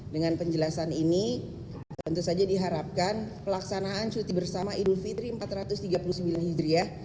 dengan penjelasan ini tentu saja diharapkan pelaksanaan cuti bersama idul fitri seribu empat ratus tiga puluh sembilan hijriah